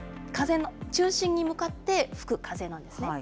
中心に向かって吹く風なんですね。